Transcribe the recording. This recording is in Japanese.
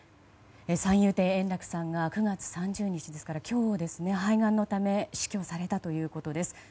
三遊亭円楽さんが９月３０日今日、肺がんのため死去されたということです。